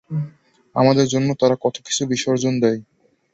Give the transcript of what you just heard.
আমাদের জন্য তারা কতকিছু বিসর্জন দেয়!